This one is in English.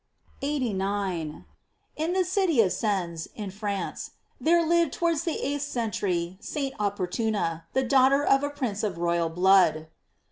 * 89. — In the city of Sens, in France, there lived towards the eighth century St. Opportuna, the daughter of a prince of royal blood.